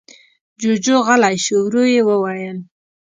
جُوجُو غلی شو. ورو يې وويل: